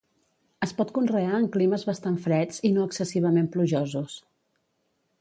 Es pot conrear en climes bastant freds i no excessivament plujosos.